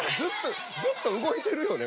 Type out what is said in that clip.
ずっと動いてるよね